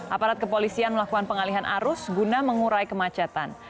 aparat kepolisian melakukan pengalihan arus guna mengurai kemacetan